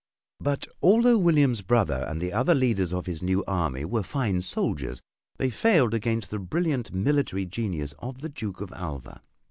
But although William's brother and the other leaders of his new army were fine soldiers, they failed against the brilliant military genius of the Duke of Alva.